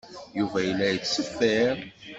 Yuba yella yettṣeffir.